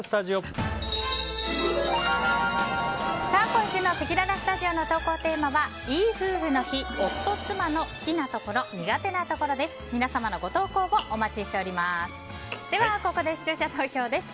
今週のせきららスタジオの投稿テーマはいい夫婦の日、夫・妻の好きなところ・苦手なところです。